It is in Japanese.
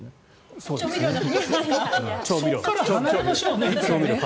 そっから離れましょう。